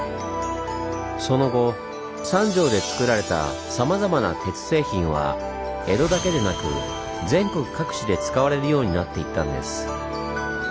その後三条でつくられたさまざまな鉄製品は江戸だけでなく全国各地で使われるようになっていったんです。